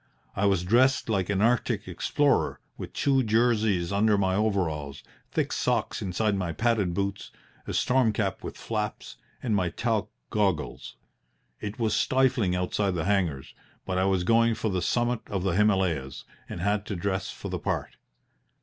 I was dressed like an Arctic explorer, with two jerseys under my overalls, thick socks inside my padded boots, a storm cap with flaps, and my talc goggles. It was stifling outside the hangars, but I was going for the summit of the Himalayas, and had to dress for the part.